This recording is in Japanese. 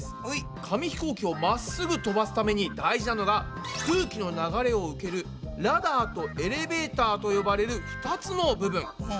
紙ひこうきを真っ直ぐ飛ばすために大事なのが空気の流れを受ける「ラダー」と「エレベータ」と呼ばれる２つの部分。